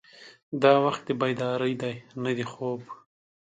دا وخت د بیدارۍ دی نه د خوب.